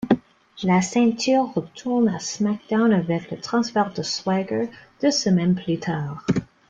La ceinture retourne à SmackDown avec le transfert de Swagger, deux semaines plus tard.